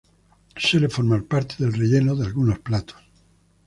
Suele formar parte del relleno de algunos platos.